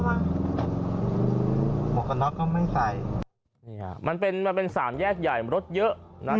ระวังระวังมันเป็นสามแยกใหญ่รถเยอะอืม